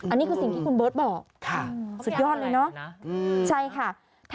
อันนี้คือสิ่งที่คุณเบิร์ตบอกสุดยอดเลยเนอะใช่ค่ะค่ะเขาพยายามอะไรแบบนั้นนะ